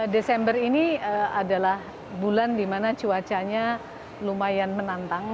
desember ini adalah bulan di mana cuacanya lumayan menantang